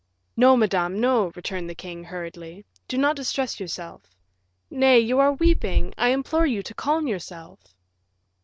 "No, madame, no," returned the king, hurriedly; "do not distress yourself. Nay, you are weeping. I implore you to calm yourself."